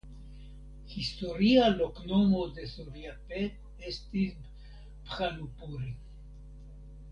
Historia loknomo de Surjapet estis "Bhanupuri".